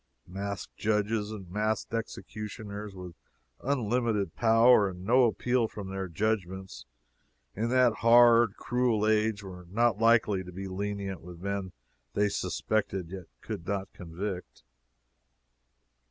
Masked judges and masked executioners, with unlimited power, and no appeal from their judgements, in that hard, cruel age, were not likely to be lenient with men they suspected yet could not convict.